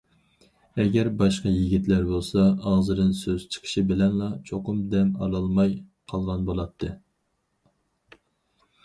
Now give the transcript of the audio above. ئەگەر باشقا يىگىتلەر بولسا، ئاغزىدىن سۆز چىقىشى بىلەنلا چوقۇم دەم ئالالماي قالغان بولاتتى.